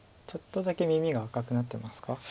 ちょっとだけ耳が赤くなってますか。